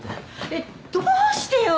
えっどうしてよ。